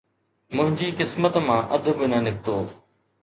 منهنجي قسمت مان اڌ به نه نڪتو